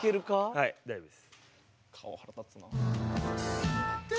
はい大丈夫です。